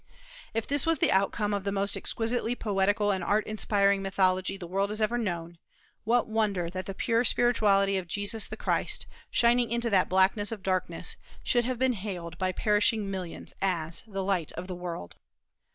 If this was the outcome of the most exquisitely poetical and art inspiring mythology the world has ever known, what wonder that the pure spirituality of Jesus the Christ, shining into that blackness of darkness, should have been hailed by perishing millions as the "light of the world"!